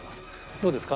どうですか？